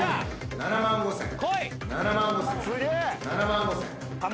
７万５，０００。